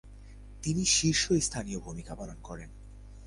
তিনি শীর্ষস্থানীয় ভূমিকা পালন করেন।